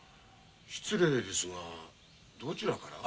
失礼ですがどちらから？